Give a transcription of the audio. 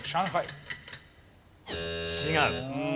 違う。